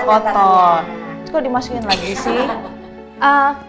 kok dimasukin lagi sih